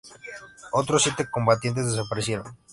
Otros siete combatientes desaparecieron.